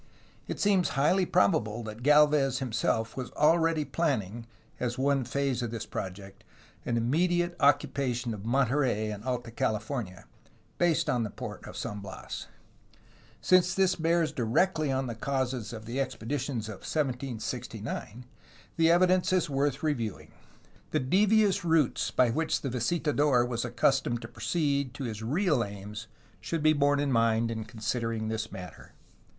It seems highly probable that Galvez himself was already planning, as one phase of this project, an immediate occupation of Monterey in Alta CaHfornia, based on the port of San Bias. Since this bears directly on the causes of the expeditions of 1769, the evidence is worth reviewing. The devious routes by which the visitador was accustomed to proceed to his real aims should be borne in mind in considering this matter.